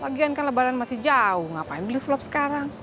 lagian kan lebaran masih jauh ngapain beli slop sekarang